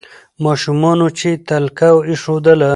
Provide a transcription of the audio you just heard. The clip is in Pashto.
ماشومانو چي تلکه ایښودله